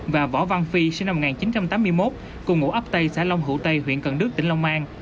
và võ văn phi sinh năm một nghìn chín trăm tám mươi một cùng ngụ ấp tây xã long hữu tây huyện cần đức tỉnh long an